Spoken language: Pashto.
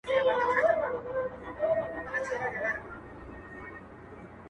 دا غرونه غرونه پـه واوښـتـل,